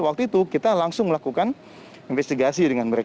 waktu itu kita langsung melakukan investigasi dengan mereka